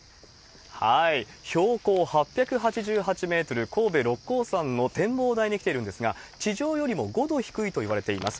標高８８８メートル、神戸・六甲山の展望台に来ているんですが、地上よりも５度低いといわれています。